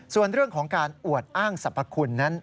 ส่วนเรื่องของอย่างการอวดอ้างสรรพคุณ